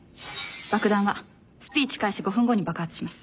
爆弾はスピーチ開始５分後に爆発します。